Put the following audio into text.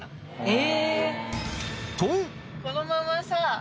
え！